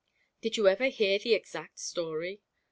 'Did you ever hear the exact story?'